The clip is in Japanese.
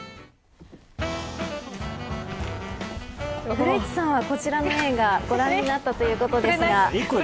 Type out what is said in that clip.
古市さんはこちらの映画ご覧になったということですが。